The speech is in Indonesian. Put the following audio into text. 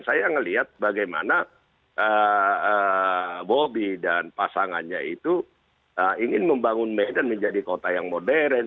saya melihat bagaimana bobby dan pasangannya itu ingin membangun medan menjadi kota yang modern